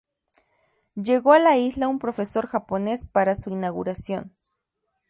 Llegó a la isla un profesor japones para su inauguración.